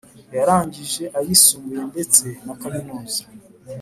Yarangije ayisumbuye ndetse na kaminuza